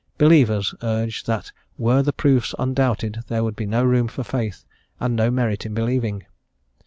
"Believers" urge that were the proofs undoubted there would be no room for faith and no merit in believing.